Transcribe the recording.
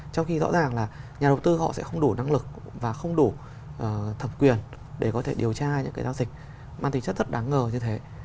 trong khi rõ ràng là nhà đầu tư họ sẽ không đủ năng lực và không đủ thẩm quyền để có thể điều tra những giao dịch mang tính chất thật đáng ngờ như thế